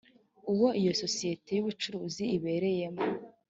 uwo iyo sosiyete y ubucuruzi ibereyemo